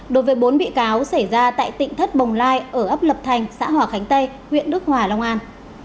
đối với bốn bị cáo xảy ra tại tỉnh thất bồng lai ở ấp lập thành xã hòa khánh tây huyện đức hòa long an